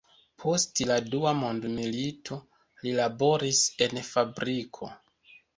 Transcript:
Post la dua mondmilito, li laboris en fabriko.